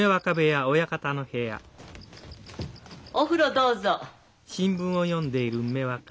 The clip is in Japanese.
お風呂どうぞ。